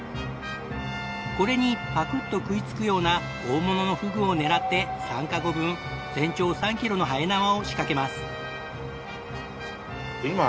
これにパクッと食いつくような大物のフグを狙って３カゴ分全長３キロのはえ縄を仕掛けます。